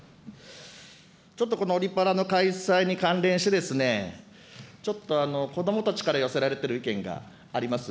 ちょっとこのオリパラの開催に関連して、ちょっと子どもたちから寄せられている意見があります。